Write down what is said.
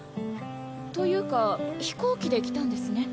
というか飛行機で来たんですね。